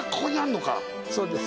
そうです。